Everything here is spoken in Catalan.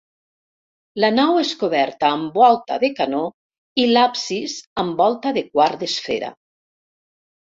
La nau és coberta amb volta de canó i l'absis amb volta de quart d'esfera.